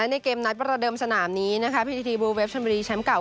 นัดประเดิมสนามนี้พีทีทีบลูเวฟชันเบรีแชมป์เก่า